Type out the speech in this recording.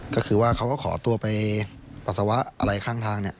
ก็คือว่าเขาก็ขอตัวไปปัสสาวะอะไรข้างทาง